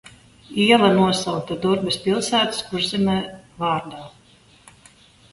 Iela nosaukta Durbes – pilsētas Kurzemē – vārdā.